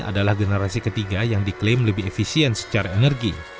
adalah generasi ketiga yang diklaim lebih efisien secara energi